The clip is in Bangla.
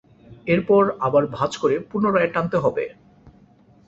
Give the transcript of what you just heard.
এরপর আবার ভাঁজ করে পুনরায় টানতে হবে।